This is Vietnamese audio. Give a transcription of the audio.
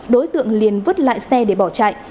đối tượng liền vứt lại xe để bỏ chạy